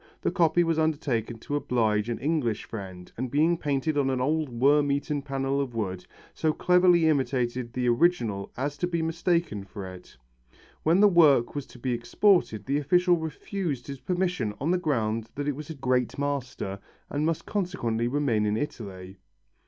The copy was undertaken to oblige an English friend, and being painted on an old worm eaten panel of wood, so cleverly imitated the original as to be mistaken for it. When the work was to be exported the official refused his permission on the ground that it was by a great master and must consequently remain in Italy.